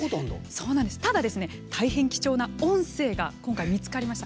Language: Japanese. ただ、大変貴重な音声が今回、見つかりました。